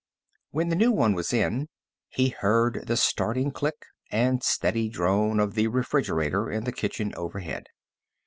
When the new one was in, he heard the starting click and steady drone of the refrigerator in the kitchen overhead.